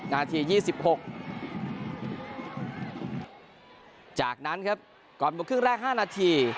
นาทียี่สิบหกจากนั้นครับก่อนบนเครื่องแรกห้านาที